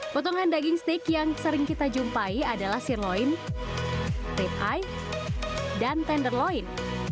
potongan daging steak yang sering kita jumpai adalah sirloin rip eye dan tenderloin